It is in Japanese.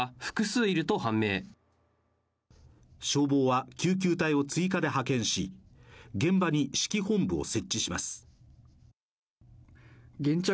消防は救急隊を追加で派遣し現場に指揮本部を設置します。